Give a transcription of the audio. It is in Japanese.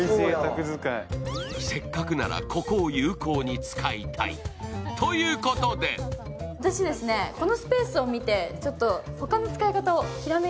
せっかくなら、ここを有効に使いたい、ということでこんな感じでグッズです、皆さんの。